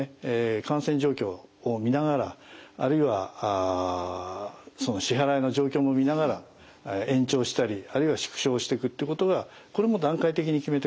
感染状況を見ながらあるいは支払いの状況も見ながら延長したりあるいは縮小していくってことがこれも段階的に決めてくことじゃないかと思います。